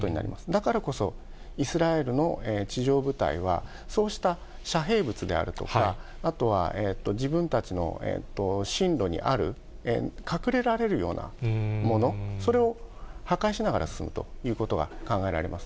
だからこそ、イスラエルの地上部隊は、そうした遮蔽物であるとか、あとは自分たちの進路にある隠れられるようなもの、それを破壊しながら進むということは考えられます。